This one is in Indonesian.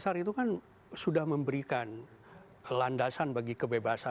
tempat untuk menghajar jalan tak audience memberikan anggaran nilai tinggi kekerasan